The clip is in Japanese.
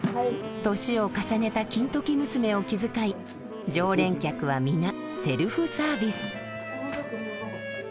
年を重ねた金時娘を気遣い常連客は皆セルフサービス。